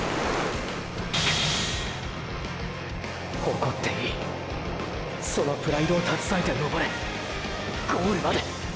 誇っていいそのプライドたずさえて登れゴールまで！！